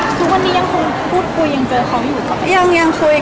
คือวันนี้ยังคงพูดคุยยังเจอเขาอยู่ก่อนไหม